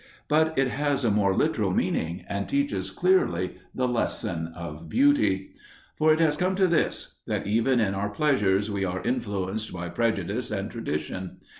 But it has a more literal meaning, and teaches clearly the lesson of beauty. For it has come to this: that even in our pleasures we are influenced by prejudice and tradition.